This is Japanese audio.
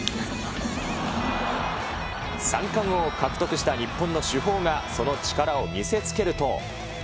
三冠王を獲得した日本の主砲が、その力を見せつけると。